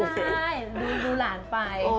ใช่ด้วยล่านไป